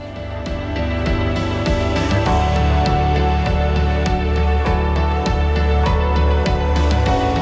โปรดติดตามโปรดติดตาม